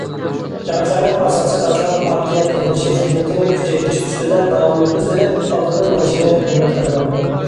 شاڭخەينىڭ ئاساسىي قاتلام پارتىيە قۇرۇلۇشى خىزمىتىنى كۈچەيتىش ئۈستىدە داۋاملىق ئىزدىنىپ، ئالدىدا مېڭىشىنى ئۈمىد قىلىمەن.